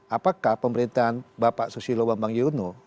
apakah pemerintahan bapak susilo bambang yudho